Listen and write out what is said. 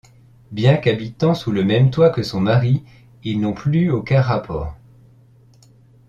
Bien qu'habitant sous le même toit que son mari, ils n'ont plus aucun rapport.